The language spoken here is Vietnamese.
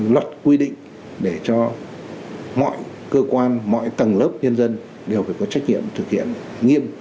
luật quy định để cho mọi cơ quan mọi tầng lớp nhân dân đều phải có trách nhiệm thực hiện nghiêm